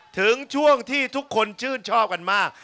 ถึงช่วงที่ทุกคนชื่นชอบกันมาก